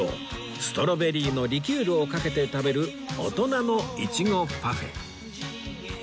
ストロベリーのリキュールをかけて食べる大人の苺パフェ